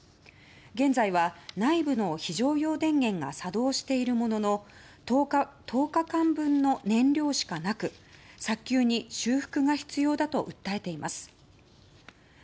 現在は、内部の非常用電源が作動しているものの１０日間分の燃料しかなく早急に修復が必要だと訴えています。